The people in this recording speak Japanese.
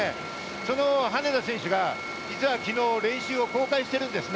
その羽根田選手が実は昨日練習を公開してるんです。